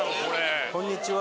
こんにちは。